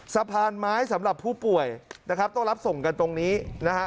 สะพานไม้สำหรับผู้ป่วยนะครับต้องรับส่งกันตรงนี้นะฮะ